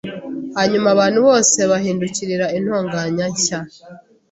Hanyuma abantu bose bahindukirira intonganya nshya